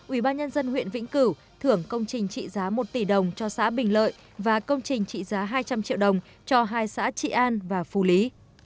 ubnd huyện vĩnh cửu thưởng công trình trị giá một tỷ đồng cho xã bình lợi và công trình trị giá hai trăm linh triệu đồng cho hai xã trị an và phù lý